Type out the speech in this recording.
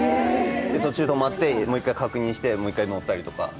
途中止まってもう一回確認して、もう一回乗ったりとか。